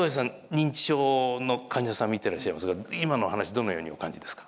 認知症の患者さん見てらっしゃいますが今の話どのようにお感じですか？